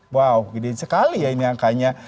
wow gede sekali ya ini angkanya